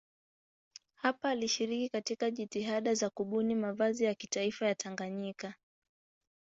Hapa alishiriki katika jitihada za kubuni mavazi ya kitaifa ya Tanganyika.